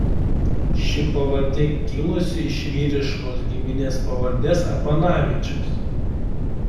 Ši pavardė kilusi iš vyriškos giminės pavardės Apanavičius.